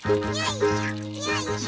よいしょ。